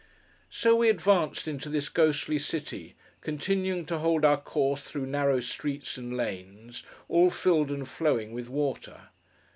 So we advanced into this ghostly city, continuing to hold our course through narrow streets and lanes, all filled and flowing with water.